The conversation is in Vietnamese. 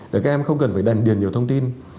để các em không cần phải đèn điền nhiều thông tin